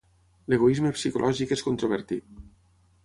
L'egoisme psicològic és controvertit.